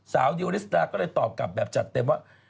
สาวดิวอลิสตาแล้วตอบกันแบบจัดเต็มว่า